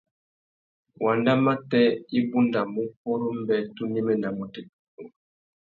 Wandamatê i bundamú purú mbê tu néménamú têtuzú.